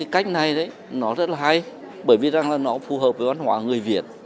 cách này rất hay bởi vì nó phù hợp với văn hóa người việt